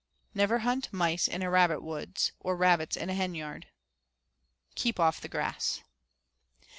Never hunt mice in a rabbit woods, or rabbits in a henyard. Keep off the grass.